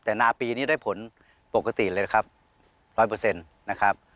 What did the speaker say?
แต่นาปีนี้ได้ผลปกติเลยนะครับร้อยเปอร์เซ็นต์นะครับ